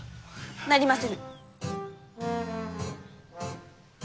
なりませぬ！